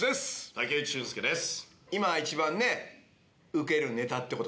武内駿輔です。